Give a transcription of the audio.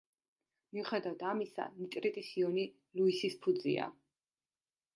მიუხედავად ამისა ნიტრიტის იონი ლუისის ფუძეა.